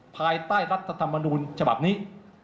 ภายใต้รัฐธรรมนูญฉบับนี้